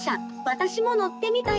私も乗ってみたい。